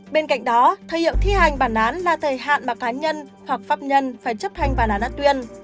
bên cạnh đó thời hiệu thi hành bản án là thời hạn mà cá nhân hoặc pháp nhân phải chấp thanh bản án tuyên